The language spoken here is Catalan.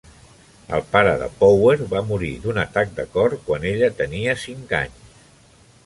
El pare de Power va morir d'un atac de cor quan ella tenia cinc anys.